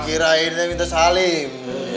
kirainnya minta salim